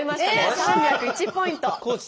３０１ポイント。